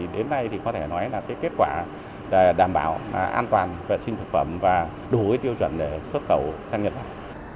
đến nay thì có thể nói là kết quả đảm bảo an toàn vệ sinh thực phẩm và đủ tiêu chuẩn để xuất khẩu sang nhật bản